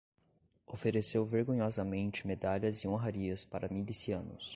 Ofereceu vergonhosamente medalhas e honrarias para milicianos